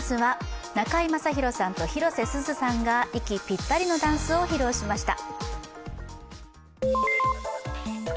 中居正広さんと、広瀬すずさんが息ぴったりのダンスを披露しました。